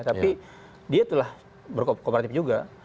tapi dia itulah berkomparatif juga